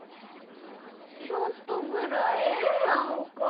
ちょっとぐらいええやんか。